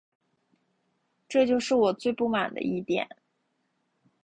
这就是我最不满的一点